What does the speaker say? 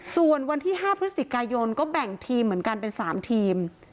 ส่วนวันที่๕พฤศจิกายนก็แบ่งทีมเหมือนกันเป็น๓ทีม